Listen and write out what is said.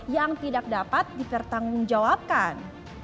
yang tidak dapat dipertanggungjawabkan